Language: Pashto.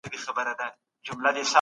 ولي فکري مالکیت خوندي ساتل کیږي؟